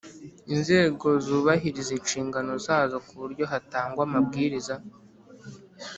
Inzego zubahiriza inshingano zazo ku buryo hatangwa amabwiriza